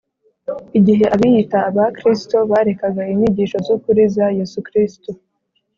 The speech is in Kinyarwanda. igihe abiyita Abakristo barekaga inyigisho z’ ukuri za Yesu Kristo.